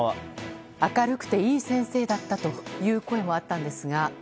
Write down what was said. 明るくていい先生だったという声もあったんですが。